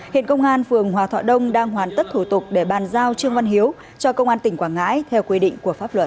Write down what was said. hiện công an phường hòa thọ đông đang hoàn tất thủ tục để bàn giao trương văn hiếu cho công an tỉnh quảng ngãi theo quy định của pháp luật